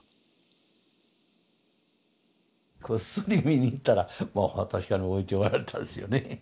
こっそり見に行ったら確かに置いておられたんですよね。